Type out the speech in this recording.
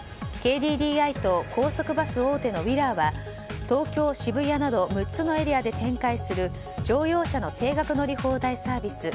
ＫＤＤＩと高速バス大手のＷＩＬＬＥＲは東京・渋谷など６つのエリアで展開する乗用車の定額乗り放題サービス